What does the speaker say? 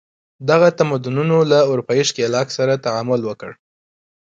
دغه تمدنونو له اروپايي ښکېلاک سره تعامل وکړ.